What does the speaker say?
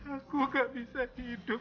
aku enggak bisa hidup